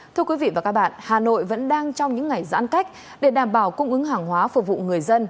thưa quý vị và các bạn hà nội vẫn đang trong những ngày giãn cách để đảm bảo cung ứng hàng hóa phục vụ người dân